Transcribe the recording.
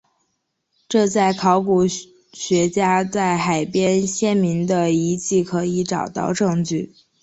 这在考古学家在海边先民的遗迹可以找到证据。